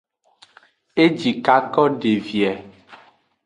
Ejikako de vie.